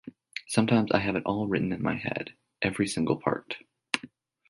Sometimes I have it all written in my head - every single part.